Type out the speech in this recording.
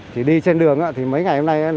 chỉ đi trên đường thì mấy ngày hôm nay